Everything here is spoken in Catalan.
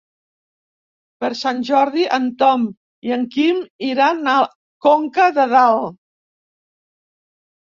Per Sant Jordi en Tom i en Quim iran a Conca de Dalt.